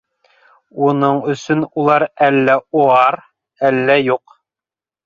Уның өсөн улар әллә Оар, әллә юҡ.